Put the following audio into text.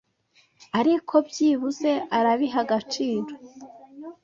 ariko byibuze arabiha agaciro